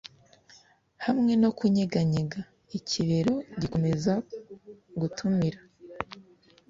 hamwe no kunyeganyega ikibero gikomeza gutumira